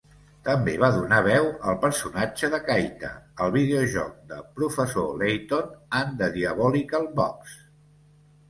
També va donar veu al personatge de Kaita al videojoc de Professor Layton and the Diabolical Box.